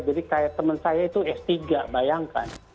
jadi kayak temen saya itu s tiga bayangkan